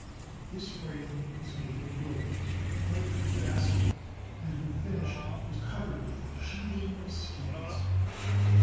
This frame was made of willows, Uke a basket, and, when finished, was covered with a sheathing of skins.